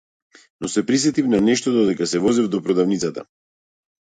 Но се присетив на нешто додека се возев од продавницата.